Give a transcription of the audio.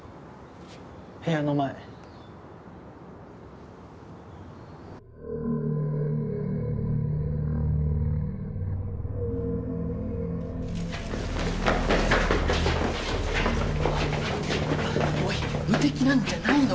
部屋の前おい無敵なんじゃないのかよ？